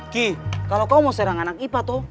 ki kalau kamu mau serang anak ipa tuh